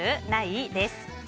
ない？です。